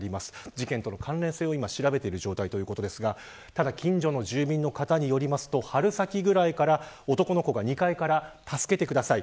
事件との関連性を調べている状態ですが近所の住民の方によると春先ぐらいから男の子が２階から助けてください